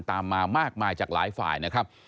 ตามมามากมายจากหลายฝ่ายนะครับ